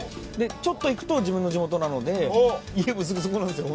ちょっと行くと自分の地元なので家もすぐそこなんですよ